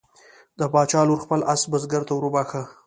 د باچا لور خپل آس بزګر ته وروبخښه.